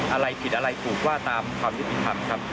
อะไรผิดอะไรถูกว่าตามความยุติธรรมครับ